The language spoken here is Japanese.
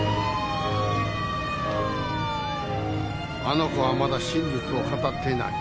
あの子はまだ真実を語っていない。